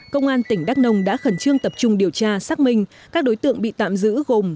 công an tỉnh đắk nông đã khẩn trương tập trung điều tra xác minh các đối tượng bị tạm giữ gồm